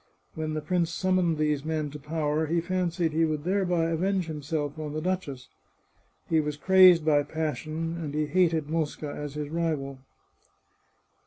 When the prince summoned these men to power he fancied he would thereby avenge himself on the duchess. He was crazed by passion, and he hated Mosca as his rival.